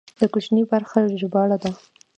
د کوچنۍ برخې ژباړه ده.